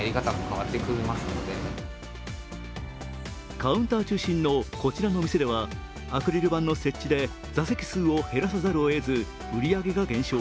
カウンター中心のこちらの店ではアクリル板の設置で座席数を減らさざるを得ず売り上げが減少。